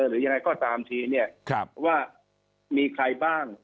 หรือยังไงก็ตามทีเนี่ยว่ามีใครบ้าง